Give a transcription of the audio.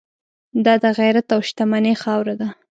دا د غیرت او شتمنۍ خاوره ده.